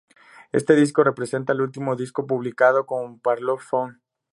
Este disco representa el último disco publicado con Parlophone.